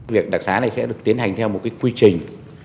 việc đặc sá này sẽ được tiến hành theo một quy trình